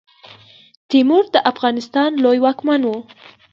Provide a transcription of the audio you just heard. تیمور د افغانستان لوی واکمن وو.